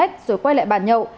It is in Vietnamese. rồi quay lại bàn nhậu